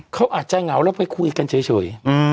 เขาอาจจะเหงาแล้วไปคุยกันเฉย